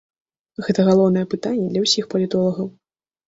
Гэта галоўнае пытанне для ўсіх палітолагаў.